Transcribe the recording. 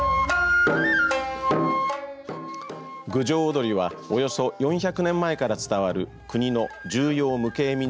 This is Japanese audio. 郡上おどりはおよそ４００年前から伝わる国の重要無形民俗